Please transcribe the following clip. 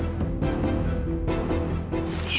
aku mau pulang